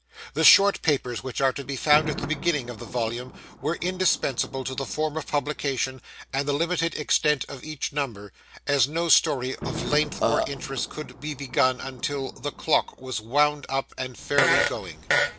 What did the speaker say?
The short papers which are to be found at the beginning of the volume were indispensable to the form of publication and the limited extent of each number, as no story of length or interest could be begun until "The Clock was wound up and fairly going."